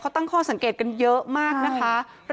เขาตั้งข้อสังเกตกันเยอะมากนะคะ